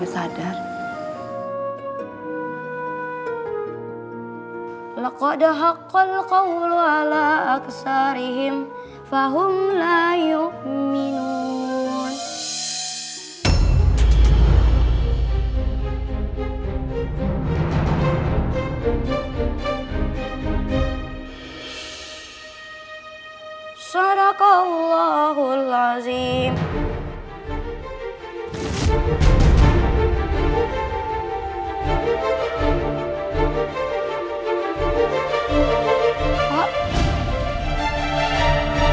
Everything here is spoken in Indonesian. sampai jumpa di video selanjutnya